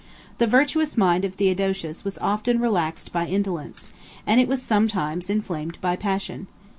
The virtuous mind of Theodosius was often relaxed by indolence, 82 and it was sometimes inflamed by passion.